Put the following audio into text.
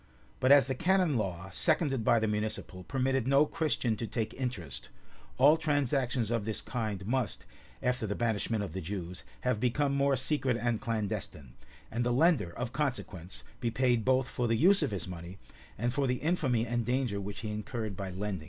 [] But as the canon law, seconded by the municipal, permitted no Christian to take interest, all transactions of this kind must, after the banishment of the Jews, have become more secret and clandestine, and the lender, of consequence, be paid both for the use of his money, and for the infamy and danger which he incurred by lending it.